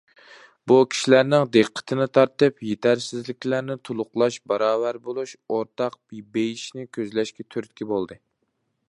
بۇ كىشىلەرنىڭ دىققىتىنى تارتىپ، يېتەرسىزلىكلەرنى تولۇقلاش، باراۋەر بولۇش، ئورتاق بېيىشنى كۆزلەشكە تۈرتكە بولدى.